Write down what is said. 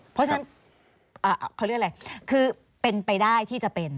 เพราะฉะนั้นเขาเรียกอะไรคือเป็นไปได้ที่จะเป็น